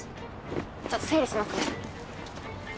ちょっと整理しますね